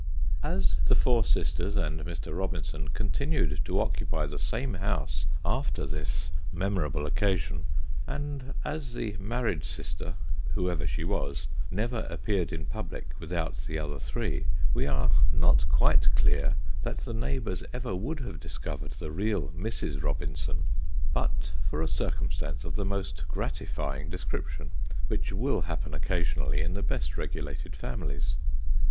As the four sisters and Mr. Robinson continued to occupy the same house after this memorable occasion, and as the married sister, whoever she was, never appeared in public without the other three, we are not quite clear that the neighbours ever would have discovered the real Mrs. Robinson, but for a circumstance of the most gratifying descrip tion, which icill happen occasionally in the best regulated families.